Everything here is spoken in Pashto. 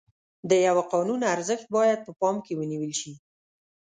د یوه قانون ارزښت باید په پام کې ونیول شي.